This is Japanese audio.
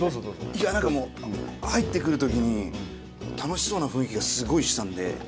いや何かもう入ってくる時に楽しそうな雰囲気がすごいしたんで。